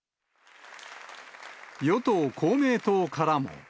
与党・公明党からも。